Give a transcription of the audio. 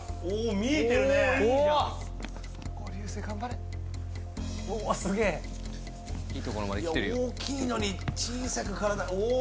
大きいのに小さく体。